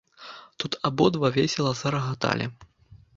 Тут абодва весела зарагаталі.